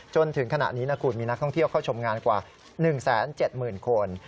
จนถึงขณะนี้นะคุณมีนักท่องเที่ยวเข้าชมงานกว่า๑๗๐๐คน